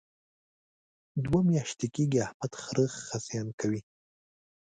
دوه میاشتې کېږي احمد خره خصیان کوي.